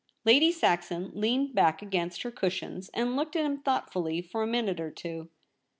* Lady Saxon leaned back against her cushions, and looked at him thoughtfully for a minute or two.